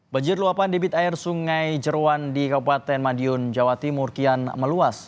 banjir luapan debit air sungai jeruan di kabupaten madiun jawa timur kian meluas